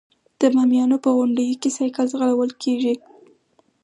د بامیانو په غونډیو کې سایکل ځغلول کیږي.